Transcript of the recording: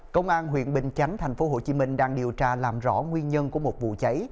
công an huyện bình chánh thành phố hồ chí minh đang điều tra làm rõ nguyên nhân của một vụ cháy